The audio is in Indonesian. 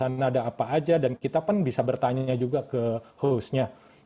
atau sembang menerang pari unhappy